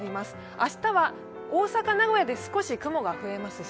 明日は大阪、名古屋で少し雲が増えますし、